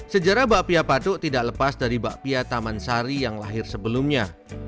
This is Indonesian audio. sejarah bakpia patuk tidak lepas dari bakpia taman sari yang lahir sebelumnya